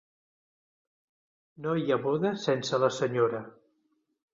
No hi ha boda sense la senyora.